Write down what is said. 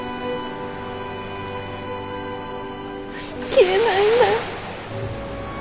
消えないんだよ。